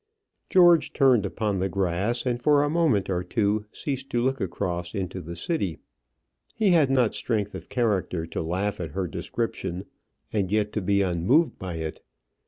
George turned upon the grass, and for a moment or two ceased to look across into the city. He had not strength of character to laugh at her description and yet to be unmoved by it.